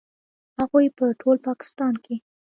هغوی په ټول پاکستان کې